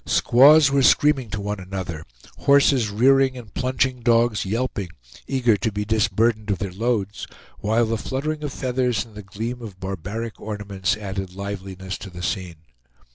Squaws were screaming to one another, horses rearing and plunging dogs yelping, eager to be disburdened of their loads, while the fluttering of feathers and the gleam of barbaric ornaments added liveliness to the scene.